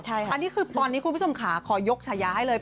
อันนี้คือตอนนี้คุณผู้ชมขาขอยกฉายาให้เลย